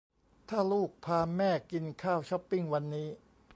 ถ้าลูกพาแม่กินข้าวช้อปปิ้งวันนี้